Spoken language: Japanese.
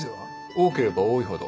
多ければ多いほど。